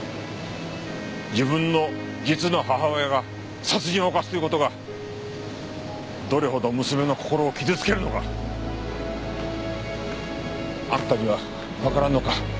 自分の実の母親が殺人を犯すという事がどれほど娘の心を傷つけるのかあんたにはわからんのか？